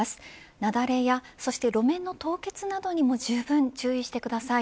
雪崩やそして路面の凍結などにもじゅうぶん注意してください。